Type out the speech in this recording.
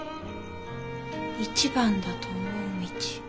一番だと思う道。